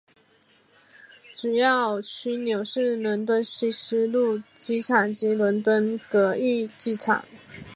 主要枢纽是伦敦希斯路机场及伦敦格域机场。